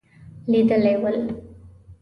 لیدلي ول.